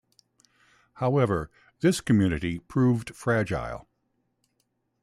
However, this community proved fragile.